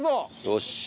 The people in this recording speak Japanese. よし！